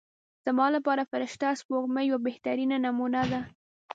زما لپاره فرشته سپوږمۍ یوه بهترینه نمونه ده.